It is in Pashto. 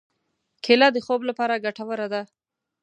کېله د خوب لپاره ګټوره ده.